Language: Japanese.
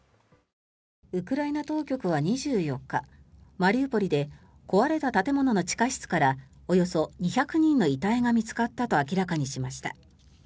ウクライナ当局は２４日マリウポリで壊れた建物の地下室からおよそ２００人の遺体が見つかったと明らかにしました。